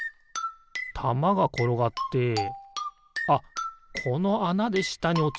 たまがころがってあっこのあなでしたにおちるんじゃないかな？